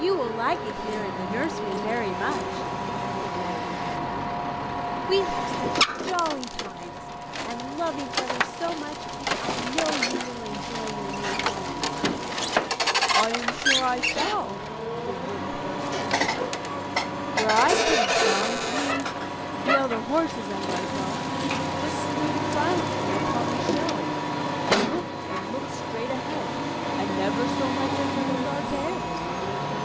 "You will like it here in the nursery very much!" said Raggedy Andy. "We have such jolly times and love each other so much I know you will enjoy your new home!" "I am sure I shall!" the wooden horse answered. "Where I came from, we the other horses and myself just stood silently upon the shelves and looked and looked straight ahead, and never so much as moved our tails."